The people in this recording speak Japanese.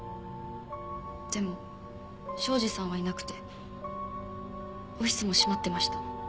でも庄司さんはいなくてオフィスも閉まってました。